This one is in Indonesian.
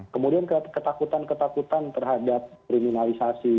kemudian ketakutan ketakutan terhadap kriminalisasi